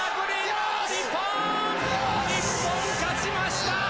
日本、日本勝ちました。